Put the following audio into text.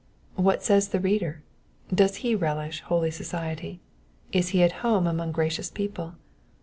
What says the reader? Does he relish noly society ? Is he at home among gracious people